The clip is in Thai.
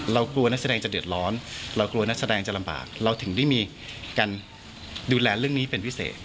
กลัวนักแสดงจะเดือดร้อนเรากลัวนักแสดงจะลำบากเราถึงได้มีการดูแลเรื่องนี้เป็นพิเศษ